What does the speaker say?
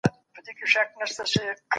هغوی د انار د اوبو په څښلو بوخت دي.